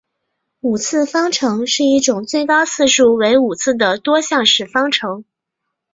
五次方程是一种最高次数为五次的多项式方程。